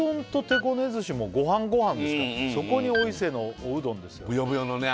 手こね寿司もごはんごはんですからそこにお伊勢のおうどんですよぶよぶよのね